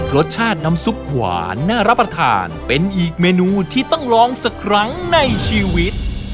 รสชาติน้ำซุปหวานน่ารับประทานเป็นอีกเมนูที่ต้องลองสักครั้งในชีวิต